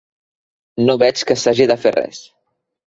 No veig que s'hagi de fer res.